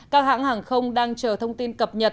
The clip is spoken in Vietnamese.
các hãng hàng không đang chờ thông tin cập nhật